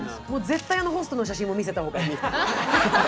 絶対あのホストの写真も見せた方がいい。